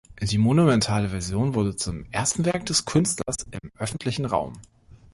Die monumentale Version wurde zum ersten Werk des Künstlers im öffentlichen Raum.